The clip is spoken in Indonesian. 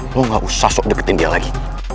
lo gak usah sok deketin dia lagi